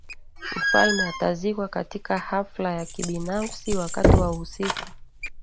mfalme atazikwa katika hafla ya kibinafasi wakati wa usiku